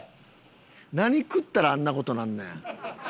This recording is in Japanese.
何食ったらあんな事なんねん。